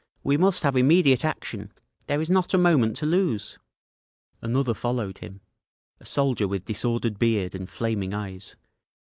We must have immediate action! There is not a moment to lose!" Another followed him, a soldier with disordered beard and flaming eyes.